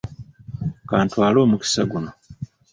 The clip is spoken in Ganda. Ka ntwale omukisa guno